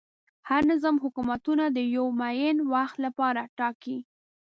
هر نظام حکومتونه د یوه معین وخت لپاره ټاکي.